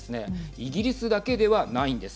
イギリスだけではないんです。